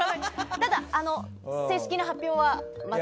ただ、正式な発表はまた。